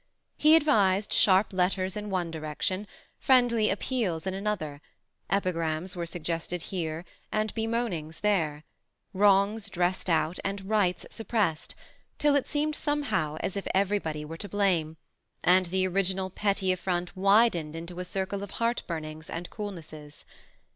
He advised sharp letters in one direction, friendly appeals in another, epigrams were suggested here, and bemoanings there ; wrongs dressed out, and rights suppressed, till it seemed, somehow, as if everybody were to blame ; and the original petty affront widened into a circle of heart burnings and cool nesses.